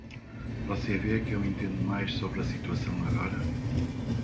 Você vê que eu entendo mais sobre a situação agora?